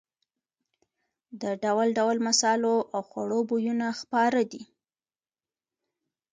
د ډول ډول مسالو او خوړو بویونه خپاره دي.